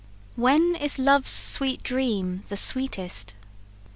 "When is Love's sweet dream the sweetest?